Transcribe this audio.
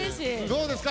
どうですか？